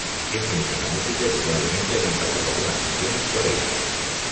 Pienso mucho en la música y probablemente hayan pasado algunas canciones por ahí.